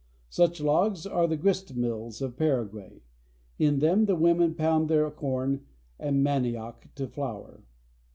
Such logs are the grist mills of Paraguay. In them the women pound their corn and manioc to flour.